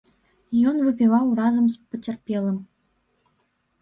Ён выпіваў разам з пацярпелым.